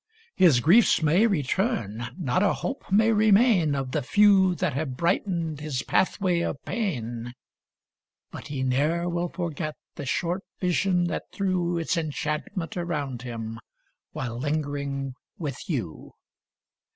5 His griefs may return, not a hope may remain Of the few that have brighten 'd his pathway of pain, But he ne'er will forget the short vision that threw Its enchantment around him, while lingering with you.